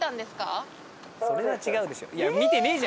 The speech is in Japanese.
それは違うでしょ。